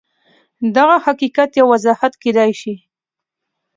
دغه حقیقت یو وضاحت کېدای شي